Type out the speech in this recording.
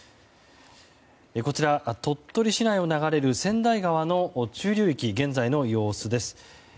こちらは鳥取市内を下がれる千代川の中流域の現在の様子です。